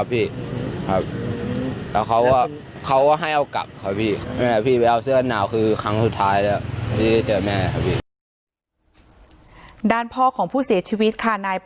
บอกว่าเค้าว่าเขาก็ให้เอากลับให้เสื้อหนาวคือครั้งสุดท้าย